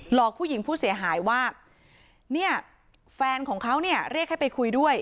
อกผู้หญิงผู้เสียหายว่าเนี่ยแฟนของเขาเนี่ยเรียกให้ไปคุยด้วย